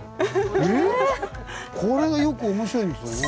これがよく面白いんですよね。